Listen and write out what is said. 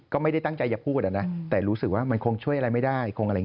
ก็ไม่ได้ตั้งใจอย่าพูดนะแต่รู้สึกว่ามันคงช่วยอะไรไม่ได้